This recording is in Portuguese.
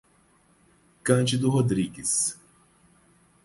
Cândido Rodrigues